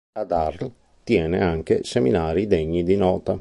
Ad Arles tiene anche seminari degni di nota.